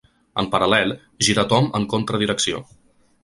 En paral·lel, giratomb en contra direcció.